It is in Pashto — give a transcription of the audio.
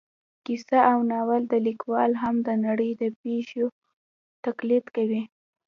کیسه او ناول لیکوال هم د نړۍ د پېښو تقلید کوي